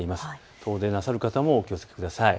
遠出なさる方もお気をつけください。